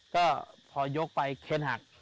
ก็พอยกไปเคนหัก